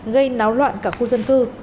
gây náo loạn cả khu dân cư